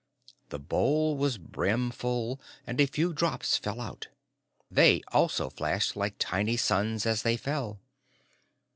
The bowl was brimful and a few drops fell out; they also flashed like tiny suns as they fell.